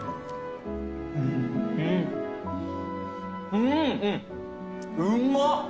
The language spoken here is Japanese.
うんうまっ！